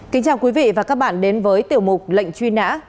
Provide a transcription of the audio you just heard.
kính chào quý vị và các bạn đến với tiểu mục lệnh truy nã